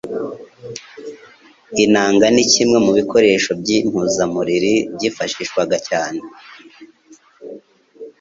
Inanga ni kimwe mu bikoresho by'impuzamuriri byifashishwaga cyane